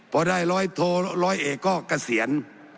พอได้ร้อยโทร้อยเอกก็เกษียณ